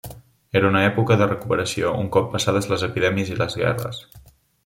Era una època de recuperació, un cop passades les epidèmies i les guerres.